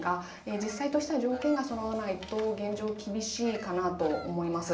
実際として条件がそろわないと現状、厳しいかなと思います。